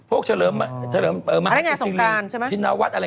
พวกเฉลิมมหาวิทยาลัยสมการชินาวัตต์อะไร